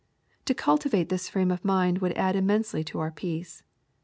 To cultivate this frame of mind would add immensely to our peace.